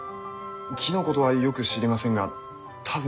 木のことはよく知りませんが多分そうでしょうね。